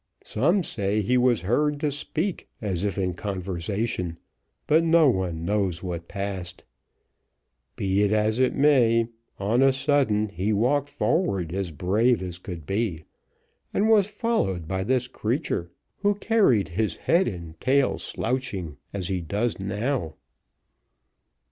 Some say he was heard to speak, as if in conversation, but no one knows what passed. Be it as it may, on a sudden he walked forward as brave as could be, and was followed by this creature, who carried his head and tail slouching, as he does now.